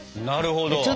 なるほど。